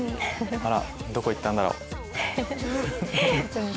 あらどこ行ったんだろう。